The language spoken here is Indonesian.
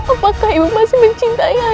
apakah ibu masih mencintai